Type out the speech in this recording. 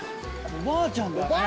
おばあちゃんだね。